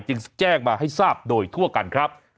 จึงแจ้งมาให้ทราบโดยทั่วกันครับ